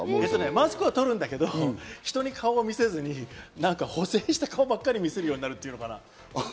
マスクは取るんだけど人に顔を見せずに補正した顔ばっかり見せるっていうのかな。